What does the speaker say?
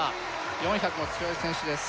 ４００も強い選手です